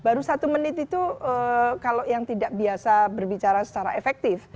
baru satu menit itu kalau yang tidak biasa berbicara secara efektif